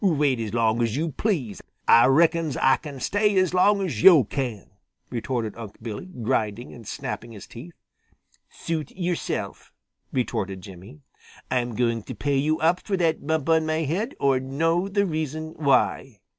"Wait as long as yo' please. Ah reckons Ah can stay as long as yo' can," retorted Unc' Billy, grinding and snapping his teeth. "Suit yourself," retorted Jimmy. "I'm going to pay you up for that bump on my head or know the reason why."